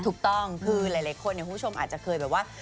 ถูกต้องคือหลายคนเนี่ยคุณผู้ชมอาจจะเคยแบบว่า